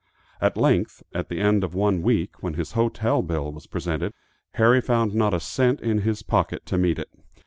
At length, at the end of one week, when his hotel bill was presented, Harry found not a cent in his pocket to meet it.